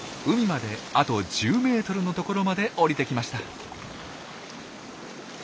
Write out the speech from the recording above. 海まであと１０メートルのところまで下りてきました。